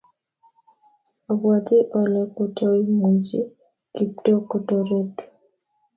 obwoti ale kotoimuchi Kiptoo kotoretu